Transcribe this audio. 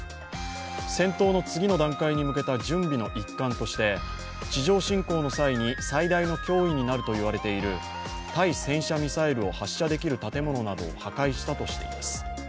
戦闘の次の段階に向けた準備の一環として地上侵攻の際に最大の脅威になると言われている対戦車ミサイルを発射できる建物などを破壊したとしています。